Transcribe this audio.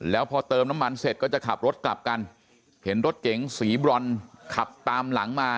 แล้วพอเติมน้ำมันเสร็จก็จะขับรถกลับกันเห็นรถเก๋งสีบรอนขับตามหลังมา